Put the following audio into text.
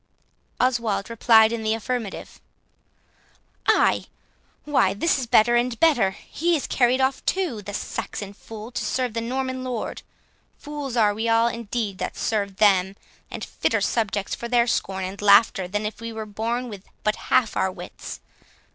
Oswald replied in the affirmative. "Ay? why this is better and better! he is carried off too, the Saxon fool, to serve the Norman lord. Fools are we all indeed that serve them, and fitter subjects for their scorn and laughter, than if we were born with but half our wits.